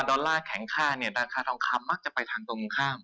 ถ้าแข่งค่าเกี่ยวกับทองคำมั่งจะไปถังตรงข้าม